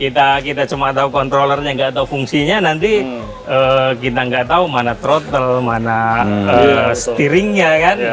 kita cuma tahu controllernya nggak tahu fungsinya nanti kita nggak tahu mana throttle mana steeringnya kan